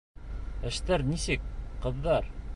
Эштәр нисек, ҡыҙҙар?